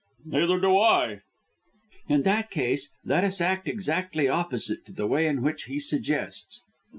"Neither do I." "In that case, let us act exactly opposite to the way in which he suggests."